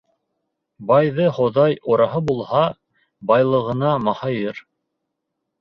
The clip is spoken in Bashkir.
Байҙы Хоҙай ораһы булһа, байлығына маһайыр.